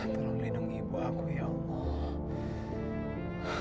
tolong lindungi ibu aku ya allah